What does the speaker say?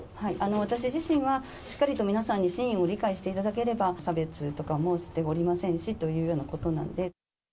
私自身はしっかりと皆さんに真意を理解していただければ、差別とかもしておりませんしというようなことなので。